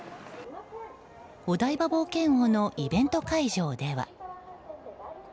お台場冒険王のイベント会場では。